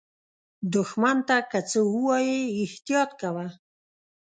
دښمن ته که څه ووایې، احتیاط کوه